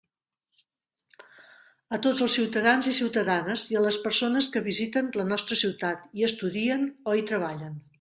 A tots els ciutadans i ciutadanes, i a les persones que visiten la nostra ciutat, hi estudien o hi treballen.